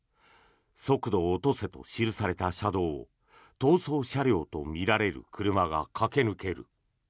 「速度落とせ」と記された車両を逃走車両とみられる車が駆け抜ける。